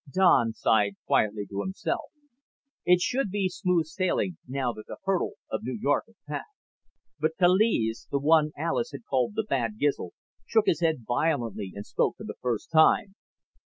Don sighed quietly to himself. It should be smooth sailing now that the hurdle of New York was past. But Kaliz, the one Alis had called the Bad Gizl, shook his head violently and spoke for the first time.